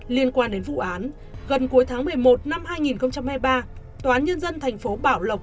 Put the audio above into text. liên quan đến vụ án gần cuối tháng một mươi một năm hai nghìn hai mươi ba tòa án nhân dân thành phố bảo lộc